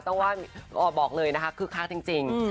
ต้องว่าอ๋อบอกเลยนะคะคือคลาสจริงจริงอืม